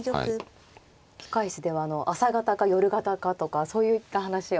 控え室では朝型か夜型かとかそういった話を。